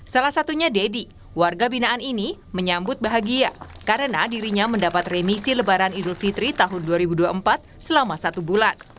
salah satunya deddy warga binaan ini menyambut bahagia karena dirinya mendapat remisi lebaran idul fitri tahun dua ribu dua puluh empat selama satu bulan